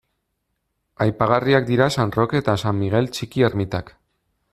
Aipagarriak dira San Roke eta San Migel Txiki ermitak.